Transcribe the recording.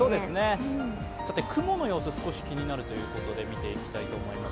雲の様子、少し気になるということで見ていきたいと思います。